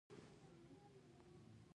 دوی له اوسپنې څخه غټ غټ ماشینونه جوړ کړي وو